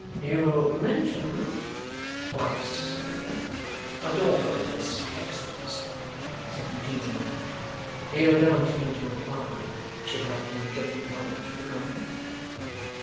'You mentioned (twice, I think) a daughter of this Hexam's,' said Eugene, aloud. 'You don't mean to imply that she had any guilty knowledge of the crime?